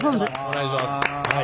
お願いします。